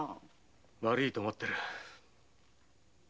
悪いと思ってる。